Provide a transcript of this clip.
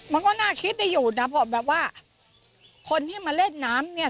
มันก็น่าคิดได้อยู่นะเพราะแบบว่าคนที่มาเล่นน้ำเนี่ย